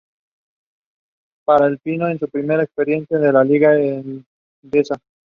Para Pino es su primera experiencia en la Liga Endesa.